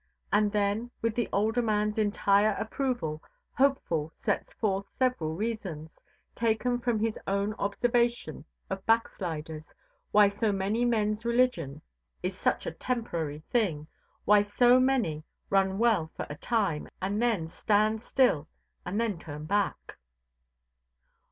And then, with the older man's entire approval, Hopeful sets forth several reasons, taken from his own observation of backsliders, why so many men's religion is such a temporary thing; why so many run well for a time, and then stand still, and then turn back.